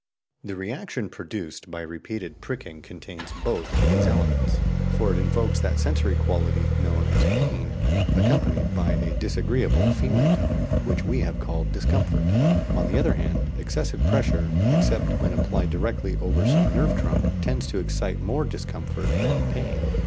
The reaction produced by repeated pricking contains both these elements; for it evokes that sensory quality known as pain, accompanied by a disagreeable feeling tone, which we have called discomfort. On the other hand, excessive pressure, except when applied directly over some nerve trunk, tends to excite more discomfort than pain."